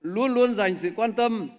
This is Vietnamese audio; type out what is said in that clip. luôn luôn dành sự quan tâm